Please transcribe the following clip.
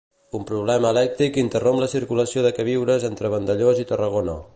Un problema elèctric interromp la circulació de queviures entre Vandellòs i Tarragona.